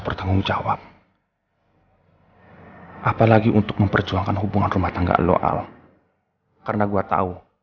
pernah para pengetahuan allen yang kedua